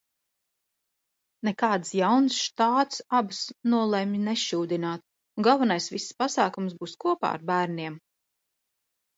Nekādas jaunas štātes abas nolemj nešūdināt, un galvenais viss pasākums būs kopā ar bērniem.